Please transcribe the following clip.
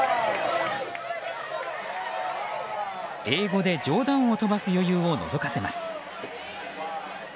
英語で冗談を飛ばす余裕をのぞかせます。